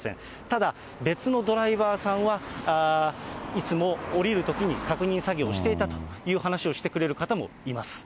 ただ、別のドライバーさんは、いつも降りるときに確認作業をしていたという話をしてくれる方もいます。